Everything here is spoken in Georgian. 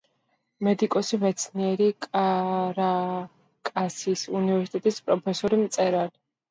მედიკოსი, მეცნიერი, კარაკასის უნივერსიტეტის პროფესორი, მწერალი.